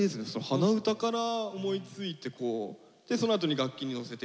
鼻歌から思いついてそのあとに楽器にのせてみたいな。